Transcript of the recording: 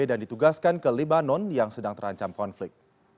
dan ditugaskan ke libanon yang sedang terancam konflik